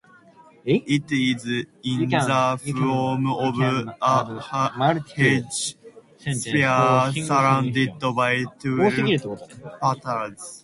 It is in the form of a huge sphere surrounded by twelve petals.